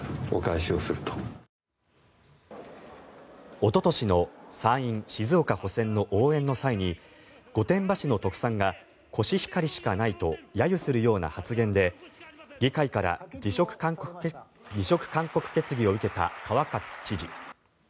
おととしの参院静岡補選の応援の際に御殿場市の特産がコシヒカリしかないと揶揄するような発言で議会から辞職勧告決議を受けた川勝知事。